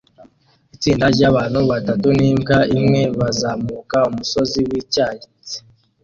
Itsinda ryabantu batatu nimbwa imwe bazamuka umusozi wicyatsi